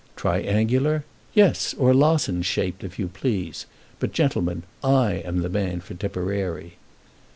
"Triangular? Yes, or lozenge shaped, if you please; but, gentlemen, I am the man for Tipperary."